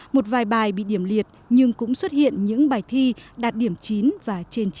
một vài bài bị điểm liệt nhưng cũng xuất hiện những bài thi đạt điểm chín và trên chín